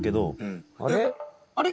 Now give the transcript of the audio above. あれ？